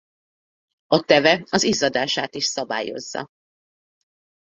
A teve az izzadását is szabályozza.